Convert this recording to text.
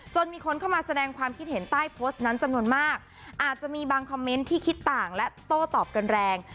มีคนเข้ามาแสดงความคิดเห็นใต้โพสต์นั้นจำนวนมากอาจจะมีบางคอมเมนต์ที่คิดต่างและโต้ตอบกันแรง